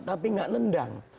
tapi gak nendang